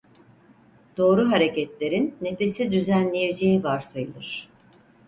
Doğru hareketlerin nefesi düzenleyeceği varsayılır.